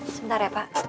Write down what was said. sebentar ya pak